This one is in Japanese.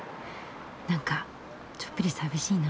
なんかちょっぴり寂しいな。